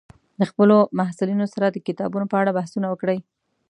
له خپلو محصلینو سره د کتابونو په اړه بحثونه وکړئ